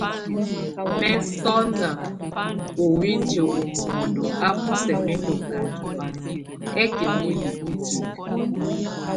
Mesona ó windi ó mon ábʼ o sɛk mɛ́ ndokanjak obano, ɛ́kɛ mí liek, o tíke.